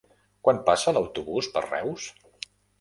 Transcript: Quan passa l'autobús per Reus?